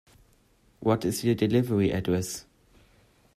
What is your delivery address?